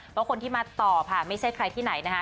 เพราะคนที่มาตอบค่ะไม่ใช่ใครที่ไหนนะคะ